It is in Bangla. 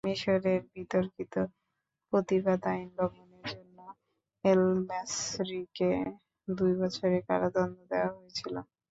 মিশরের বিতর্কিত প্রতিবাদ আইন লঙ্ঘনের জন্য এল-ম্যাসরিকে দুই বছরের কারাদণ্ড দেওয়া হয়েছিল।